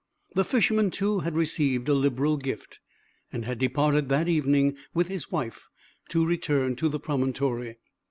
The Fisherman too had received a liberal gift, and had departed that evening with his wife, to return to the promontory.